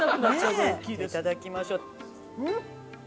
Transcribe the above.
いただきましょう。